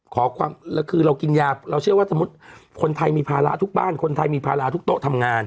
คือเรากินยาเราเชื่อว่าสมมุติคนไทยมีภาระทุกบ้านคนไทยมีภาระทุกโต๊ะทำงาน